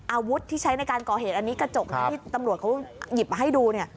อาวุธที่ใช้ในการก่อเหตุอันนี้กระจกที่ตำรวจเขาหยิบมาให้ดูเนี่ย